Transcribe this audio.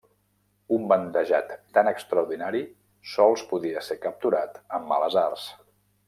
Un bandejat tan extraordinari sols podia ser capturat amb males arts.